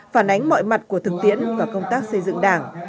phản ánh mọi mặt của thực tiễn và công tác xây dựng đảng